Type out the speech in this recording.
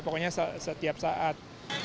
pokoknya setiap saat